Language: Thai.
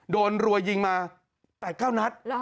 โดนรวยยิงมา๘๙นัท